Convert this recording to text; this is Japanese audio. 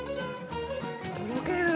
とろけるー。